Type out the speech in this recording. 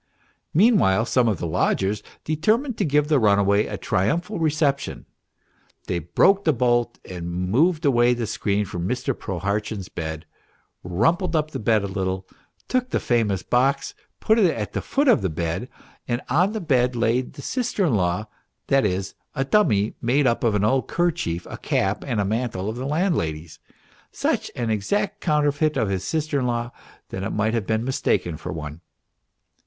Meanwhile some of the lodgers determined to give the runaway a trium phal reception ; they broke the bolt and moved away the screen fom Mr. Prohartchin's bed, rumpled up the bed a little, took the famous box, put it at the foot of the bed ; and on the bed laid the sister in law, that is, a dummy made up of an old kerchief, a cap and a mantle of the landlady's, such an exact counterfeit of a sister in law that it might have been mistaken for one.